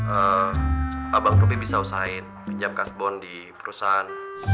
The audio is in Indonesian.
eee abang robby bisa usahain pinjam kasbon di perusahaan